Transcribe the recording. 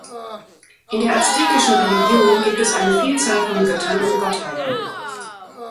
In der aztekischen Religion gibt es eine Vielzahl von Göttern und Gottheiten.